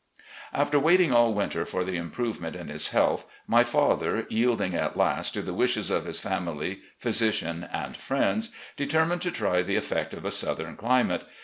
After waiting all winter for the improvement in his health, my father, yielding at last to the wishes of his family, physician, and friends, determined to try the effect of a southern climate.